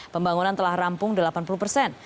pembangunan telah rampung delapan puluh persen